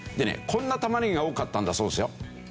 こんな玉ねぎが多かったんだそうですよ。